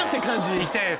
行きたいです